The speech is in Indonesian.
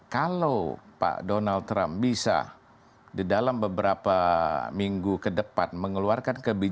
kalau pak donald trump bisa di dalam beberapa minggu ke depan mengeluarkan kebijakan